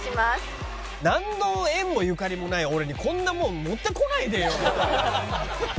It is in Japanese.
なんの縁もゆかりもない俺にこんなもん持ってこないでよ。